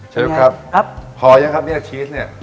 สวัสดีครับพอแล้วครับนี่แหละชีสเนี่ย